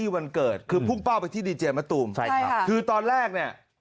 วันเกิดคือพุ่งเป้าไปที่ดีเจมะตูมใช่ครับคือตอนแรกเนี่ย